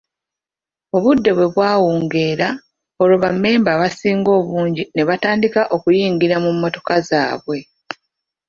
Obudde bwe bwawungeera olwo bammemba abasinga obungi ne batandika okuyingira mu mmotoka zaabwe.